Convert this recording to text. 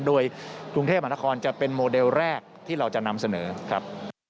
โดยกรุงเทพมหานครจะเป็นโมเดลแรกที่เราจะนำเสนอครับ